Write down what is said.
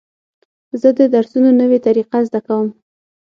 زه د درسونو نوې طریقې زده کوم.